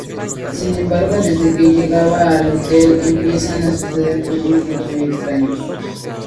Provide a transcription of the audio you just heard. Sin embargo, desde que llegan al hotel empiezan a suceder fenómenos muy extraños.